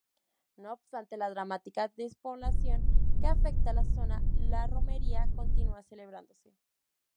No obstante la dramática despoblación que afecta la zona, la romería continúa celebrándose.